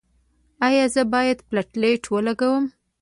ایا زه باید پلیټلیټ ولګوم؟